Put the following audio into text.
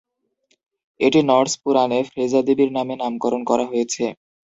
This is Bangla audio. এটি নর্স পুরাণে ফ্রেজা দেবীর নামে নামকরণ করা হয়েছে।